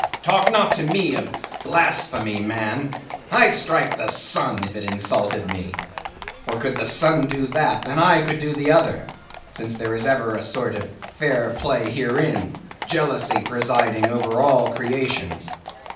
Talk not to me of blasphemy, man; I'd strike the sun if it insulted me. For could the sun do that, then could I do the other; since there is ever a sort of fair play herein, jealousy presiding over all creations.